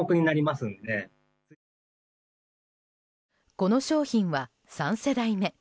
この商品は３世代目。